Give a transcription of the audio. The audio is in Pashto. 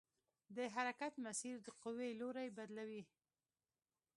د حرکت مسیر د قوې لوری بدلوي.